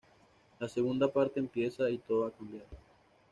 La segunda parte empieza y todo ha cambiado.